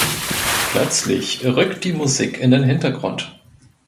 Plötzlich rückt die Musik in den Hintergrund.